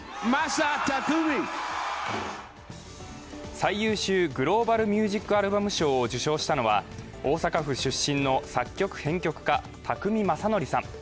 最優秀グローバル・ミュージック・アルバム賞を受賞したのは大阪府出身の作曲・編曲家、宅見将典さん。